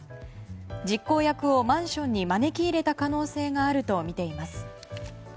実行役をマンションに招き入れた可能性があるとみています。